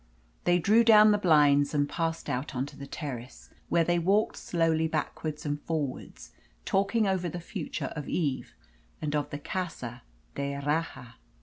They drew down the blinds and passed out on to the terrace, where they walked slowly backwards and forwards, talking over the future of Eve and of the Casa d'Erraha.